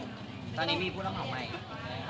ตอนนี้มีผู้รักษาไหม